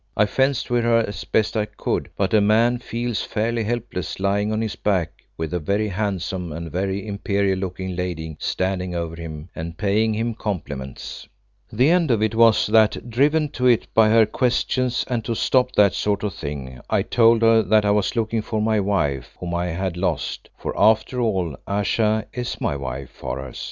I fenced with her as best I could; but a man feels fairly helpless lying on his back with a very handsome and very imperial looking lady standing over him and paying him compliments. "The end of it was that, driven to it by her questions and to stop that sort of thing, I told her that I was looking for my wife, whom I had lost, for, after all, Ayesha is my wife, Horace.